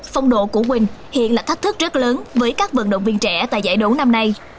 phong độ của quỳnh hiện là thách thức rất lớn với các vận động viên trẻ tại giải đấu năm nay